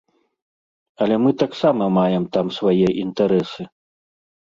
Але мы таксама маем там свае інтарэсы.